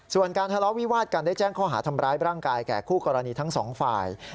ส่วนการทะเลาะวิวาดกันได้แจ้งข้อหาทำร้ายร่างกายแก่คู่กรณีทั้งสองฝ่าย